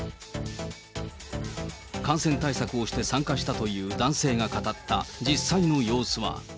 感染対策をして参加したという男性が語った実際の様子は。